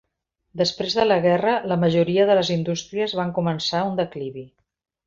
Després de la guerra, la majoria de les indústries van començar un declivi.